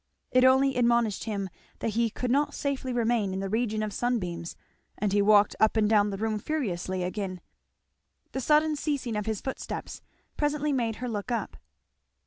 It only admonished him that he could not safely remain in the region of sunbeams; and he walked up and down the room furiously again. The sudden ceasing of his footsteps presently made her look up.